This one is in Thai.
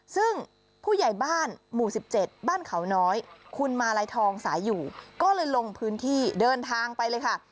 ซึ่งผู้ใหญ่บ้านหมู่๑๗บ้านเขาน้อยคุณมาลัยทองสายอยู่ก็เลยลงพื้นที่เดินทางไปเลยค่ะ